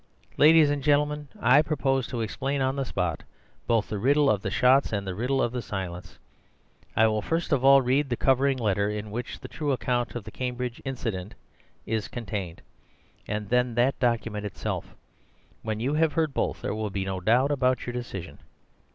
Ladies and gentlemen, I propose to explain on the spot both the riddle of the shots and the riddle of the silence. I will first of all read the covering letter in which the true account of the Cambridge incident is contained, and then that document itself. When you have heard both, there will be no doubt about your decision.